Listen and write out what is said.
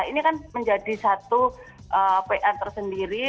ini kan menjadi satu pr tersendiri